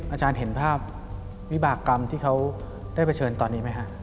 อาจารย์เห็นภาพวิบากรรมที่เขาได้เผชิญตอนนี้ไหมฮะ